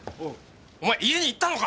お前家に行ったのか！？